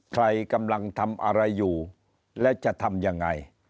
ใครกำลังทำอะไรอยู่และจะทำยังไง